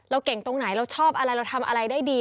เก่งตรงไหนเราชอบอะไรเราทำอะไรได้ดี